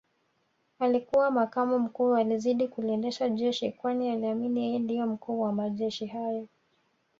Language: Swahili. Alikuwa makamu mkuu alizidi kuliendesha jeshi kwani aliamini yeye ndio mkuu wa majeshi hayo